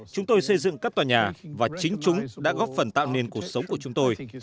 chúng tôi xây dựng các tòa nhà và chính chúng đã góp phần tạo nên cuộc sống của chúng tôi